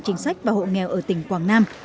chính sách và hộ nghèo ở tỉnh quảng nam